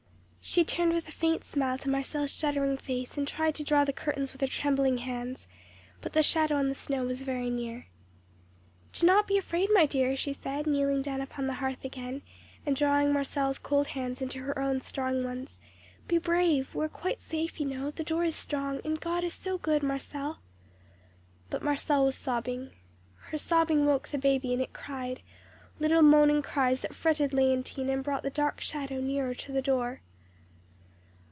"She turned with a faint smile to Marcelle's shuddering face, and tried to draw the curtains with her trembling hands, but the shadow on the snow was very near. "'Do not be afraid, my dear,' she said, kneeling down upon the hearth again, and drawing Marcelle's cold hands into her own strong ones; 'be brave; we are quite safe, you know; the door is strong, and God is so good, Marcelle.' "But Marcelle was sobbing. "Her sobbing woke the baby, and it cried little moaning cries that fretted Léontine, and that brought the dark shadow nearer to the door.